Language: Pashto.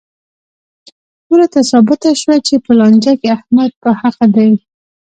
ټولو ته ثابته شوه چې په لانجه کې احمد په حقه دی.